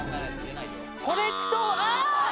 コレクトあーっ！